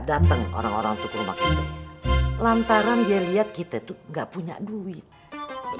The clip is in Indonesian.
datang orang orang untuk rumah kita lantaran dia lihat kita tuh nggak punya duit bener juga lu